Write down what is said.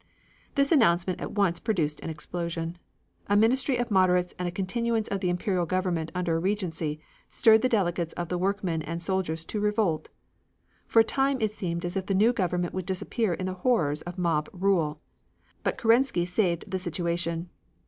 This announcement at once produced an explosion. A ministry of moderates and a continuance of the Imperial government under a regency stirred the delegates of the workmen and soldiers to revolt. For a time it seemed as if the new government would disappear in the horrors of mob rule. But Kerensky saved the situation.